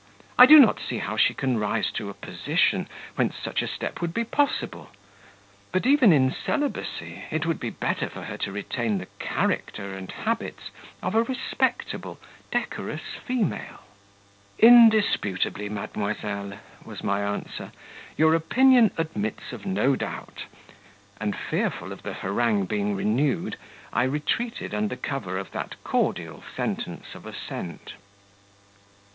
I do not see how she can rise to a position, whence such a step would be possible; but even in celibacy it would be better for her to retain the character and habits of a respectable decorous female." "Indisputably, mademoiselle," was my answer. "Your opinion admits of no doubt;" and, fearful of the harangue being renewed, I retreated under cover of that cordial sentence of assent.